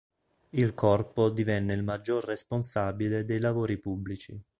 Il corpo divenne il maggior responsabile dei lavori pubblici.